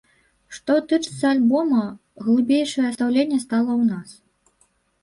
Што тычыцца альбома, глыбейшае стаўленне стала ў нас.